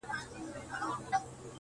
ما به کیسه درته کول، راڅخه ورانه سوله!.